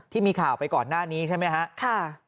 ที่มีข่าวไปก่อนหน้านี้ใช่ไหมครับ